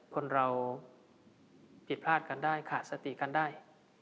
คนเราผิดพลาดกันได้ขาดสติกันได้